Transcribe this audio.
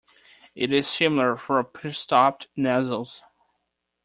It is similar for prestopped nasals.